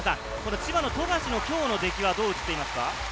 千葉の富樫の今日の出来はどう映っていますか？